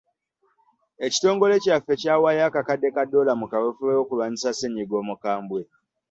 Ekitongole kyaffe kyawayo akakadde ka ddoola mu kaweefube w'okulwanyisa ssenyiga omukambwe.